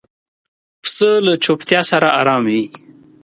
پسه له چوپتیا سره آرام وي.